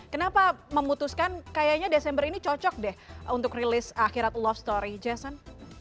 kenapa memutuskan kayaknya desember ini cocok deh untuk rilis akhirat love story jason